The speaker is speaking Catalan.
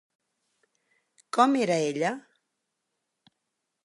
Com era ella?